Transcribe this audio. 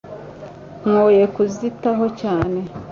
mwoye kuzitaho cyane